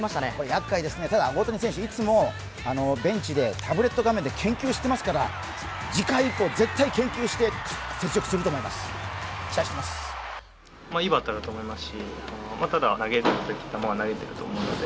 やっかいですね、ただ大谷選手いつもベンチでタブレット画面で研究してますから次回以降、絶対研究して雪辱すると思います、期待しています。